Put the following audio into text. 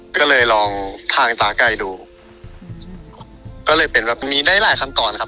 ก็เลยลองทางสาไก่ดูก็เลยเป็นแบบมีได้หลายขั้นตอนครับ